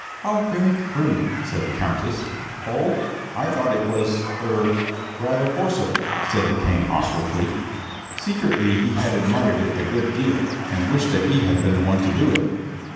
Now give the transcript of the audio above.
"How very crude," said the Countess. "Oh, I thought it was er rather forcible," said the King awkwardly. Secretly he had admired it a good deal and wished that he had been the one to do it.